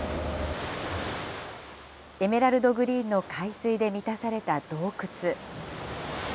エメラルドグリーンの海水で満たされた洞窟。